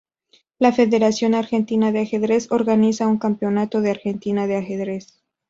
La Federación Argentina de Ajedrez organiza un Campeonato de Argentina de ajedrez.